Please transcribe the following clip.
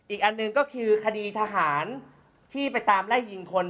อีกอันหนึ่งก็คือคดีทหารที่ไปตามไล่ยิงคน